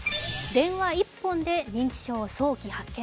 電話１本で認知症を早期発見。